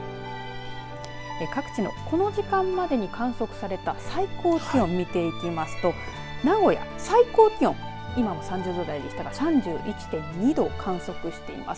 各地のこの時間までに観測された最高気温、見ていきますと名古屋、最高気温今も３０度台でしたが３１．２度を観測しています。